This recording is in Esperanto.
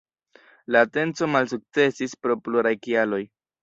La atenco malsukcesis pro pluraj kialoj.